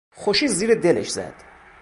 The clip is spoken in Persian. خوشی زیر دلش زد.